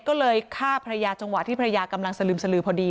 ก็เลยฆ่าภรรยาจังหวะที่ภรรยากำลังสลึมสลือพอดี